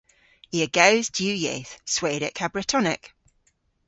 I a gews diw yeth - Swedek ha Bretonek.